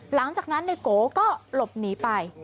หลังจากนั้นนายโกก็หลบหนีไป